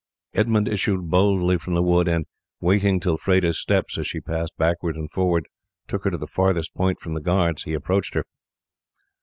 Edmund issued boldly from the wood, and, waiting till Freda's steps, as she passed backwards and forwards, took her to the farthest point from the guards, he approached her.